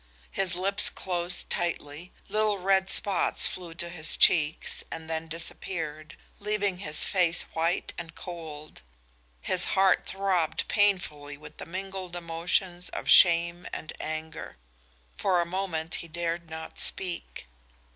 His lips closed tightly; little red spots flew to his cheeks and then disappeared, leaving his face white and cold; his heart throbbed painfully with the mingled emotions of shame and anger. For a moment he dared not speak.